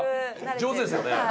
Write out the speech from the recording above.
上手ですよね。